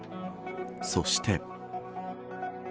そして。